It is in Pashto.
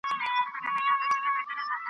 دا ځالۍ ده دبازانو .